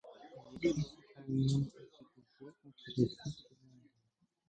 Il est principalement utilisé contre des forces blindées.